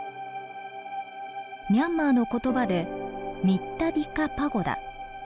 ミャンマーの言葉で「ミッタディカ・パゴダ」。